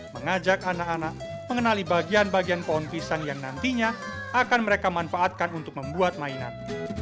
mengajak anak anak mengenali bagian bagian pohon pisang yang nantinya akan mereka manfaatkan untuk membuat mainan